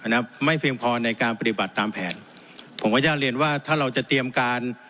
นะครับไม่เพียงพอในการปฏิบัติตามแผนผมขออนุญาตเรียนว่าถ้าเราจะเตรียมการ